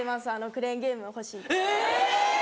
クレーンゲーム欲しいって。え！